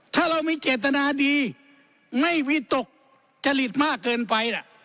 ถ้าเรามีเจตนาดีไม่วิตกจริตมากเกินไปล่ะ